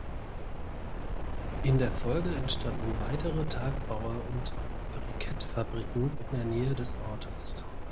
In der Folge entstanden weitere Tagebaue und Brikettfabriken in der Nähe des Ortes.